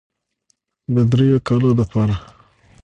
د دريو کالو دپاره